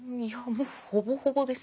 もうほぼほぼです。